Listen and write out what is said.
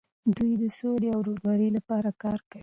دوی د سولې او ورورولۍ لپاره کار کوي.